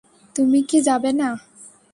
তুমি কি যাবে না?